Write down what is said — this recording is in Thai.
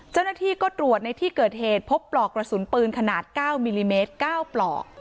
เจ้าหน้าที่ก็ตรวจในที่เกิดเหตุพบปลอกกระสุนปืนขนาด๙มิลลิเมตร๙ปลอก